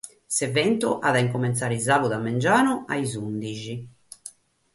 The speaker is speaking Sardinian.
S'eventu at a cumintzare sàbadu mangianu a sas ùndighi.